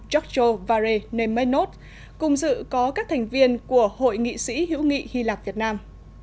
giorgio vare nemenot cùng dự có các thành viên của hội nghị sĩ hữu nghị hy lạp việt nam